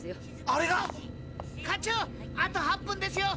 あれが⁉課長あと８分ですよ。